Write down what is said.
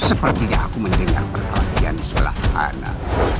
sepertinya aku mendengar perhatian di sebelah kanan